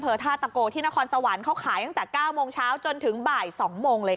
ท่าตะโกที่นครสวรรค์เขาขายตั้งแต่๙โมงเช้าจนถึงบ่าย๒โมงเลยค่ะ